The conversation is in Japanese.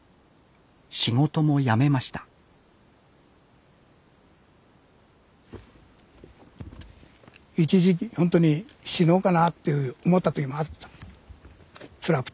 仕事も辞めました一時期ほんとに死のうかなって思った時もあった。